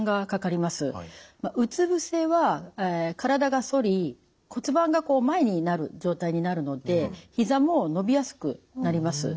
うつ伏せは体が反り骨盤がこう前になる状態になるのでひざも伸びやすくなります。